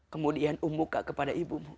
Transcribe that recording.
kemudian ummuka kepada ibumu